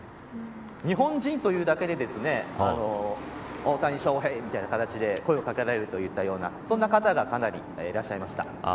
日本人というだけで大谷翔平みたいな形で声を掛けられるといったようなそんな方がかなりいらっしゃいました。